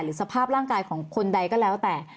สภาพร่างกายของคนใดก็แล้วแต่